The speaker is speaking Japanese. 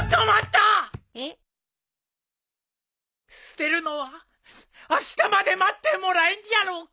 捨てるのはあしたまで待ってもらえんじゃろうか。